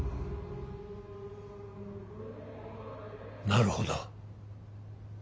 なるほど。